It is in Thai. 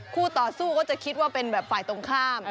คู่ต่อสู้ก็จะคิดว่าเป็นแบบฝ่ายตรงข้าม